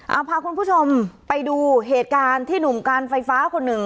เอาพาคุณผู้ชมไปดูเหตุการณ์ที่หนุ่มการไฟฟ้าคนหนึ่ง